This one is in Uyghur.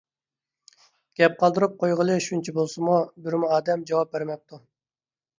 گەپ قالدۇرۇپ قويغىلى شۇنچە بولسىمۇ بىرمۇ ئادەم جاۋاب بەرمەپتۇ.